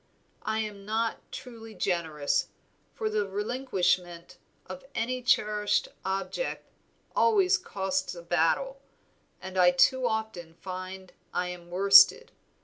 I am not truly generous, for the relinquishment of any cherished object always costs a battle, and I too often find I am worsted.